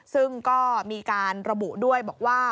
ซึ่งก็มีการระบุด้วยบอกว่า